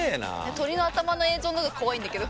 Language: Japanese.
鶏の頭の映像の方が怖いんだけど。